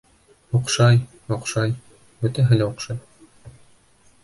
Оҡшай, оҡшай, бөтәһе лә оҡшай.